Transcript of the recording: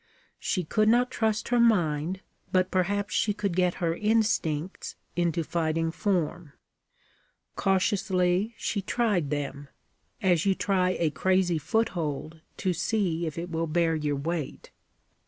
She could not trust her mind, but perhaps she could get her instincts into fighting form. Cautiously she tried them as you try a crazy foothold to see if it will bear your weight.